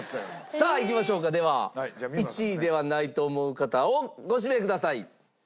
さあいきましょうかでは１位ではないと思う方をご指名ください。